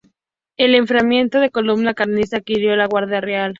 En el enfrentamiento la columna carlista aniquiló a la Guardia Real.